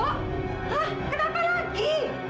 hah kenapa lagi